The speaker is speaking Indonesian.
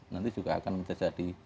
nanti juga akan menjadi